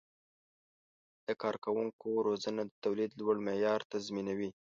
د کارکوونکو روزنه د تولید لوړ معیار تضمینوي.